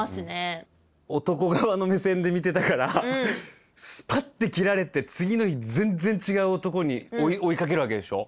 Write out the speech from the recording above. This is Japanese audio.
男側の目線で見てたからスパッて切られて次の日全然違う男を追いかけるわけでしょ？